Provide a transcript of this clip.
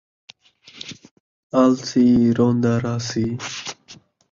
آلسی، روندا رہسی